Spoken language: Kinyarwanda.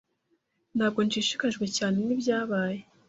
Ntabwo nshishikajwe cyane nibyabaye.